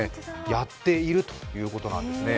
やっているということなんですね。